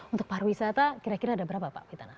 untuk pariwisata kira kira ada berapa pak pitana